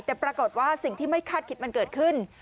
แต่ปรากฏว่าสิ่งที่ไม่คาดคิดมันเกิดขึ้น